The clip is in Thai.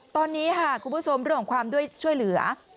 ตอนนี้ค่ะคุณผู้ชมเรื่องของความช่วยเหลือ